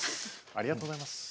ありがとうございます。